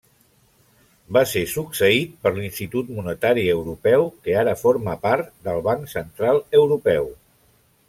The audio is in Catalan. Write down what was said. Va ser succeït per l'Institut Monetari Europeu que ara forma part del Banc Central Europeu.